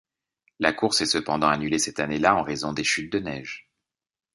La course est cependant annulée cette année-là en raison des chutes de neiges.